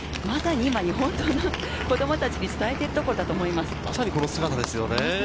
まさに今、子供たちに伝えているところだと思います。